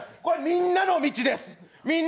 みんなの道です。